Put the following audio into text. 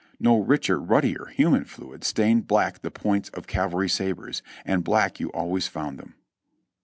No richer, ruddier hu man fluid stained black the points of cavalry sabres, and black you always found them.